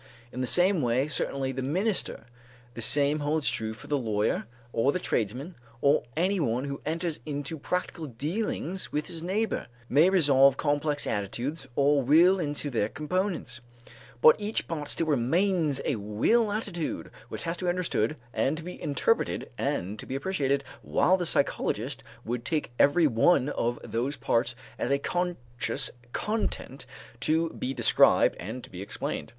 In the same way certainly the minister the same holds true for the lawyer or the tradesman or anyone who enters into practical dealings with his neighbor may resolve complex attitudes of will into their components, but each part still remains a will attitude which has to be understood and to be interpreted and to be appreciated, while the psychologist would take every one of those parts as a conscious content to be described and to be explained.